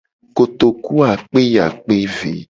Kotoku akpe yi akpe ve.